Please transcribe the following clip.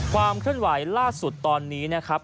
ความเคลื่อนไหวล่าสุดตอนนี้นะครับ